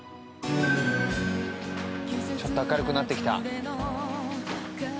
ちょっと明るくなってきた。